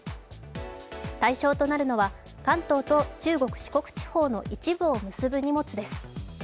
対象となるのは、関東と中国・四国地方の一部を結ぶ荷物です。